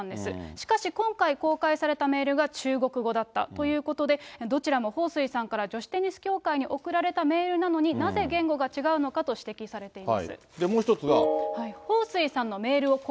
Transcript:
しかし今回、公開されたメールが中国語だったということで、どちらもほうすいさんから女子テニス協会に送られたメールなのに、なぜ言語が違うのかと指摘されています。